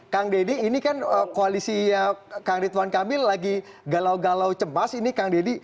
kang deddy ini kan koalisinya kang ridwan kamil lagi galau galau cemas ini kang deddy